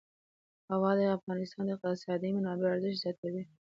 هوا د افغانستان د اقتصادي منابعو ارزښت زیاتوي.